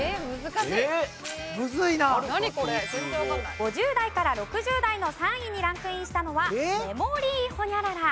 ５０代から６０代の３位にランクインしたのはメモリーホニャララ。